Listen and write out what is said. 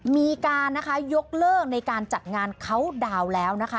มีการนะคะยกเลิกในการจัดงานเขาดาวน์แล้วนะคะ